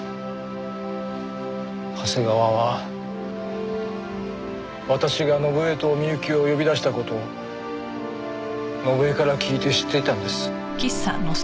長谷川は私が伸枝と美雪を呼び出した事を伸枝から聞いて知っていたんです。